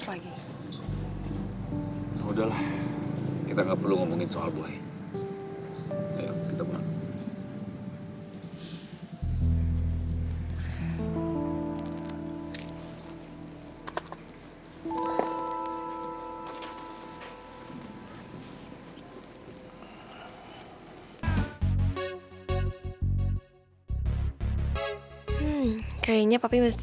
aku baru lihat bahwa dia tuh sebenarnya orang yang baik banget